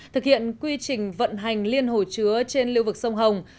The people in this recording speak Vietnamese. thực hiện quy trình vận hành liên hồ chứa trên lưu vực sông hồng